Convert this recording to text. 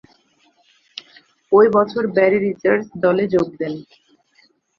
ঐ বছর Barry Richards দলে যোগ দেন।